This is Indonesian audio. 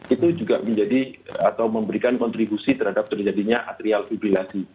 itu juga menjadi atau memberikan kontribusi terhadap terjadinya atrial fibrilasi